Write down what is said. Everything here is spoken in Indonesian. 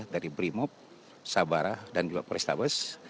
dari brimob sabara dan juga polrestabes